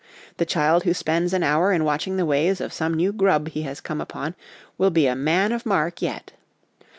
The child who spends an hour in watching the ways of some new 'grub' he has come upon will be a man of mark yet.